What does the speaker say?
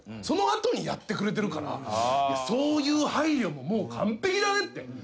その後にやってくれてるからそういう配慮ももう完璧だねって。